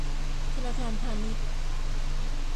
ธนาคารพาณิชย์